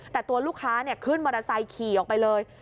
แต่ตัวลูกค้าขึ้นมอเตอร์ไซค์ขี่ออกไปเลย